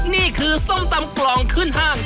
นี่คือส้มตำกล่องขึ้นห้าง